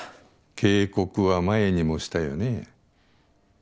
警告は前にもしたよね？